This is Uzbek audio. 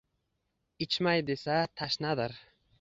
Ichmay desa — tashnadir.